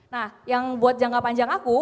nah yang buat jangka panjang aku